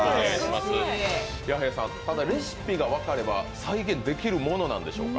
弥平さん、ただ、レシピが分かれば再現できるものなんでしょうか？